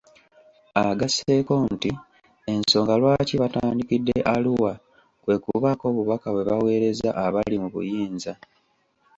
Agasseeko nti ensonga lwaki batandikidde Arua, kwe kubaako obubaka bwe baweereza abali mu buyinza.